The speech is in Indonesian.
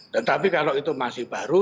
tetapi kalau itu masih baru